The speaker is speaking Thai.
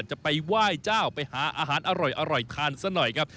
จะไปไหว้เจ้าอร่อยทานซะหน่อยครับ